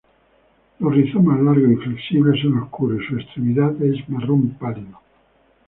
Los rizomas largos y flexibles son oscuros y su extremidad es marrón pálido.